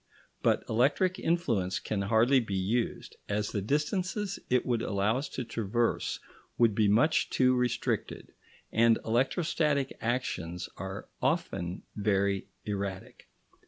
But electric influence can hardly be used, as the distances it would allow us to traverse would be much too restricted, and electrostatic actions are often very erratic.